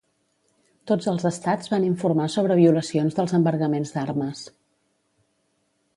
Tots els estats van informar sobre violacions dels embargaments d'armes.